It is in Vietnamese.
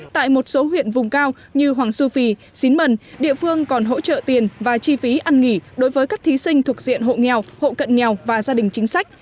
tại một số huyện vùng cao như hoàng su phi xín mần địa phương còn hỗ trợ tiền và chi phí ăn nghỉ đối với các thí sinh thuộc diện hộ nghèo hộ cận nghèo và gia đình chính sách